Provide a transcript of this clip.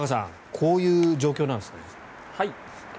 こういう状況なんですね。